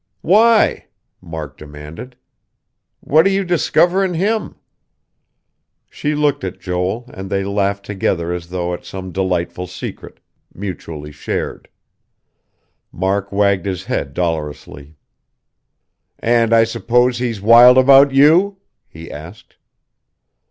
"Why?" Mark demanded. "What do you discover in him?" She looked at Joel, and they laughed together as though at some delightful secret, mutually shared. Mark wagged his head dolorously. "And I suppose he's wild about you?" he asked.